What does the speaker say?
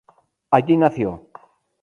Allí nació.